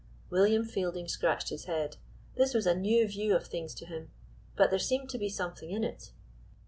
William Fielding scratched his head. This was a new view of things to him, but there seemed to be something in it.